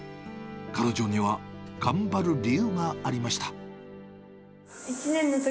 彼女には頑張る理由がありました。